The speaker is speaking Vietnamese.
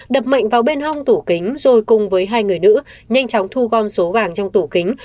đập mạnh vào bên hông tủ kính rồi cùng với hai người nữ nhanh chóng thu gom số vàng trong tủ kính